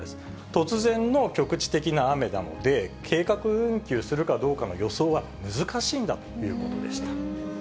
突然の局地的な雨なので、計画運休するかどうかの予想は難しいんだということでした。